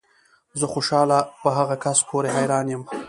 زه خوشحال په هغه کس پورې حیران یم